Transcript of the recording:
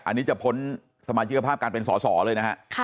อันนี้จะพ้นสมาชิกภาพการเป็นสอสอเลยนะฮะ